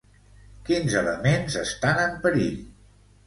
Quins elements estan en perill?